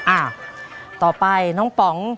อ่าต่อไปน้องป๋อง